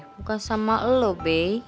bukan sama lo bey